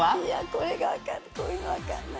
これがわかんない。